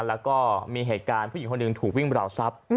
แล้วก็มีเหตุการณ์ผู้หญิงคนหนึ่งถูกวิ่งราวทรัพย์